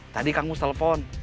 tadi kang mus telepon